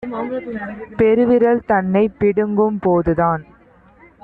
பெருவிரல் தன்னைப் பிடுங்கும் போதுதான்